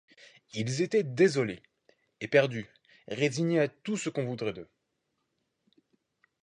Ils étaient désolés, éperdus, résignés à tout ce qu'on voudrait d'eux.